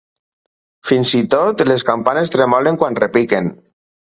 Fins i tot les campanes tremolen quan repiquen.